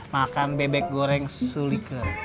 makan bebek goreng sulika